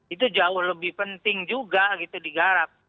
itu jauh lebih penting juga gitu digarap